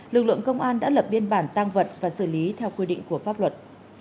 lực lượng công an đã lập biên bản tăng vận và xử lý theo quy định của pháp luật